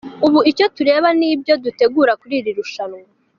Ubu icyo tureba ni ibyo dutegura kuri iri rushanwa.